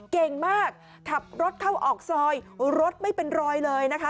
เก่งมากขับรถเข้าออกซอยรถไม่เป็นรอยเลยนะคะ